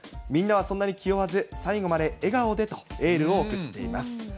みんなはそんなに気負わず、最後まで笑顔でとエールを送っています。